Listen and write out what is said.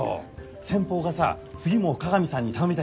先方がさ次も鏡さんに頼みたいって。